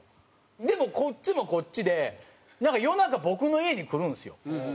でもこっちもこっちでなんか夜中僕の家に来るんですよ。